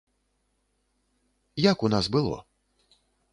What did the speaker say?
Як у нас было?